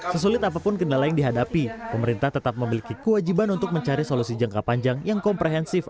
sesulit apapun kendala yang dihadapi pemerintah tetap memiliki kewajiban untuk mencari solusi jangka panjang yang komprehensif